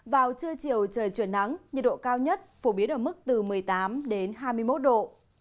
vào trưa chiều trời chuyển nắng nhiệt độ cao nhất phổ biến ở mức từ một mươi tám đến hai mươi một độ